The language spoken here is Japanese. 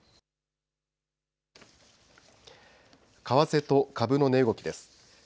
為替と株の値動きです。